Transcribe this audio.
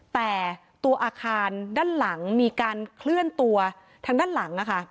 แต่ตัวอาคารด้านหลังมีการเคลื่อนตัวทางด้านหลัง